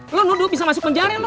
lo nuduh bisa masuk penjara